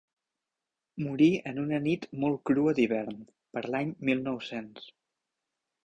Morí en una nit molt crua d’hivern, per l’any mil nou-cents.